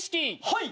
はい。